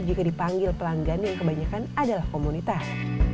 jika dipanggil pelanggan yang kebanyakan adalah komunitas